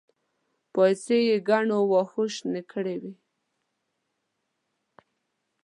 پايڅې يې ګڼو وښو شنې کړې وې.